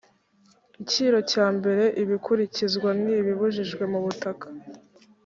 icyiro cya mbere ibikurikizwa n ibibujijwe mubutaka